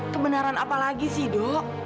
kebenaran apa lagi sih dok